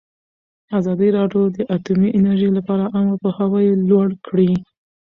ازادي راډیو د اټومي انرژي لپاره عامه پوهاوي لوړ کړی.